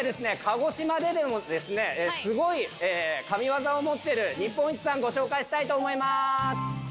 鹿児島でもすごい神業を持ってる日本一さんご紹介したいと思います。